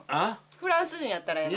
フランス人やったらええの？